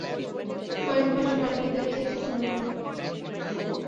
কয়েকমাসও কাটিয়ে দেয়া যায় কিছু মডেলে।